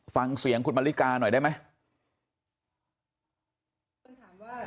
ฟังเสียงคุณมริกาหน่อยได้ไหม